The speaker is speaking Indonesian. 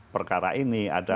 perkara ini ada